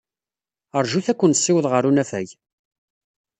Ṛjut ad ken-ssiwḍeɣ ɣer unafag.